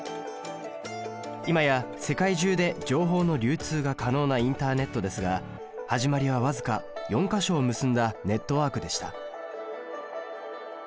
今や世界中で情報の流通が可能なインターネットですが始まりは僅か４か所を結んだネットワークでした。